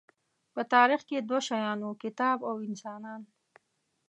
په تاریخ کې دوه شیان وو، کتاب او انسانان.